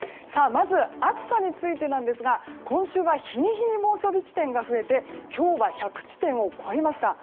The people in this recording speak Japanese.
まず暑さについてですが今週は日に日に猛暑日地点が増え今日は１００地点を超えました。